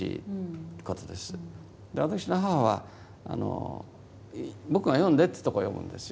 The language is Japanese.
私の母は僕が読んでっていうところを読むんですよ。